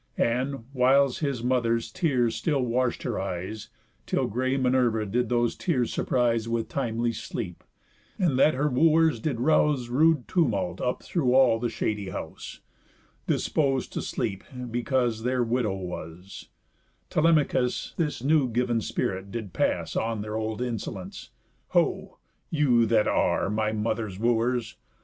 And (whiles his mother's tears still wash'd her eyes, Till grey Minerva did those tears surprise With timely sleep, and that her wooers did rouse Rude tumult up through all the shady house, Dispos'd to sleep because their widow was) Telemachus this new giv'n spirit did pass On their old insolence: "Ho! you that are, My mother's wooers!